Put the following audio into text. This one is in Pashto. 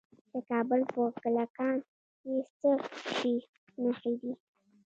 د کابل په کلکان کې د څه شي نښې دي؟